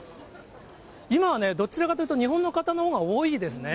今はね、どちらかというと、日本の方のほうが多いですね。